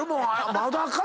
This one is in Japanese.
まだかい⁉